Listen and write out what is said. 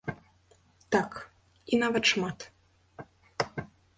Так, і нават шмат.